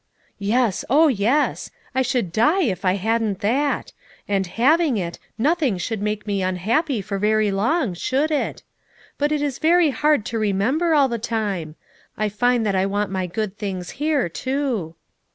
"Yes, oh, yes ! I should die if I hadn't that ; and having it nothing should make me unhappy for very long, should it? But it is very hard 94 FOUR MOTHERS AT CHAUTAUQUA to remember all the time. I find that I want my good things here, too."